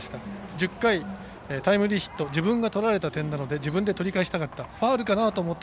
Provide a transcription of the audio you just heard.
１０回、タイムリーヒット自分が取られた点なので自分で取り返したかった。